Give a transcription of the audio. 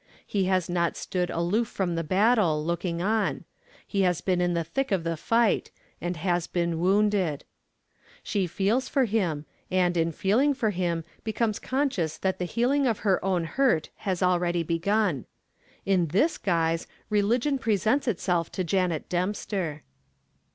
He has not stood aloof from the battle, looking on; he has been in the thick of the fight and has been wounded. She feels for him, and, in feeling for him, becomes conscious that the healing of her own hurt has already begun. In this guise, religion presents itself to Janet Dempster!